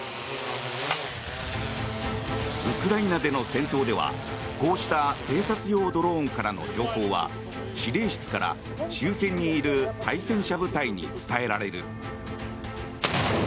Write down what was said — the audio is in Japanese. ウクライナでの戦闘ではこうした偵察用ドローンからの情報は指令室から、周辺にいる対戦車部隊に伝えられる。